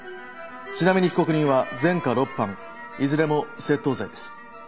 ちなみに被告人は前科６犯いずれも窃盗罪です。